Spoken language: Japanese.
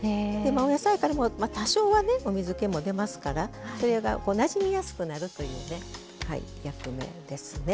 お野菜からも多少はねお水けも出ますからそれがなじみやすくなるというね役目ですね。